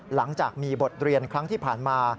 หลังจากมีบทเรียนครั้งที่ผ่านมา